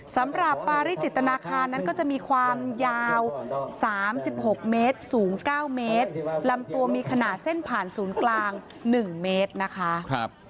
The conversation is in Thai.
สำหรับปาริจิตนาคารนั้นก็จะมีความยาว๓๖เมตรสูง๙เมตรลำตัวมีขนาดเส้นผ่านศูนย์กลาง๑เมตรนะคะ